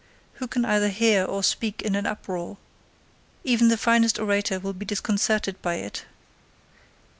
Who can either hear or speak in an uproar? Even the finest orator will be disconcerted by it.